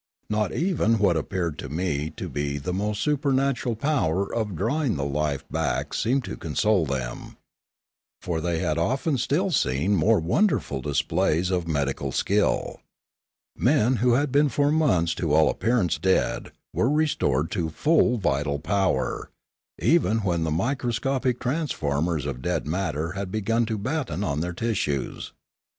Not even what appeared to me to be the almost supernatural power of drawing the life back An Accident 351 seemed to console them. For they had often seen still more wonderful displays of medical skill. Men who had been for months to all appearance dead were re stored to full vital power, even when the microscopic transformers of dead matter had begun to batten on their tissues.